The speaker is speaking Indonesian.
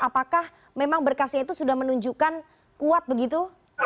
apakah memang berkasnya itu sudah menunjukkan kuat begitu